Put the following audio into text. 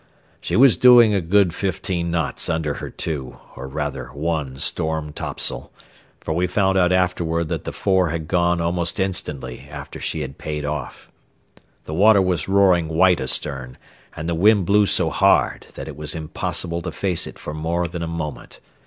She was doing a good fifteen knots under her two, or rather one storm topsail; for we found out afterward that the fore had gone almost instantly after she had payed off. The water was roaring white astern, and the wind blew so hard that it was impossible to face it for more than a moment.